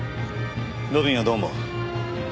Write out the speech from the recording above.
路敏はどう思う？